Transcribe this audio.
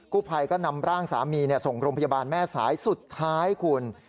ผู้ภัยก็นำร่างสามีส่งโรงพยาบาลแม่สายสุดท้ายคุณ